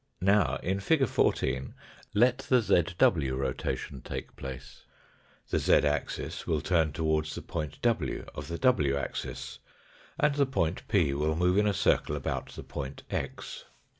Now, in fig. 14 let the zw rotation take place, the z axis will turn toward the point iv of the w axis, and the point p will move in a circle about the point x.